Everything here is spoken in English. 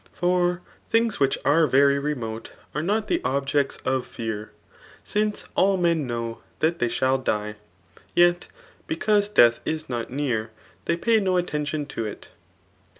Far idings which are very remote are not the ibbjectsof fear ; sinoe all men know that they shall die, yet because deat^ Js Mt near, they pay no attention to it.